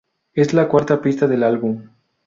Es la cuarta pista del álbum.